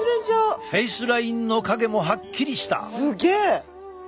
フェイスラインの影もはっきりした。